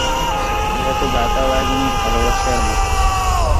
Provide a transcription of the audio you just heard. ইহা তো ভ্রাতা-ভগিনীর ভালবাসার মত।